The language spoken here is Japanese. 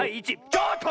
ちょっと！